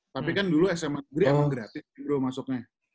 tapi kan dulu sma negeri emang gratis bro masuknya